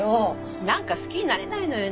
なんか好きになれないのよね